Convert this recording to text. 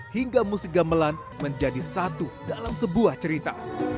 hingga musik gamelan menjadi satu dalam sebuah cerita